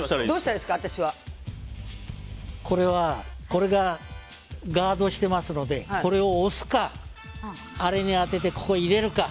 これがガードしてますのでこれを押すか、あれに当ててここへ入れるか。